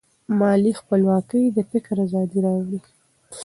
مالي خپلواکي د فکر ازادي راوړي.